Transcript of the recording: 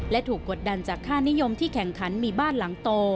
และถูกกดดันจากค่านิยมที่แข่งขันมีบ้านหลังโต